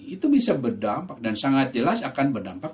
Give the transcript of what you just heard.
itu bisa berdampak dan sangat jelas akan berdampak